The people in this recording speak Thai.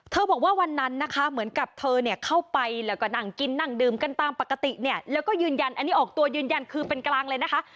บอกว่าวันนั้นนะคะเหมือนกับเธอเนี่ยเข้าไปแล้วก็นั่งกินนั่งดื่มกันตามปกติเนี่ยแล้วก็ยืนยันอันนี้ออกตัวยืนยันคือเป็นกลางเลยนะคะ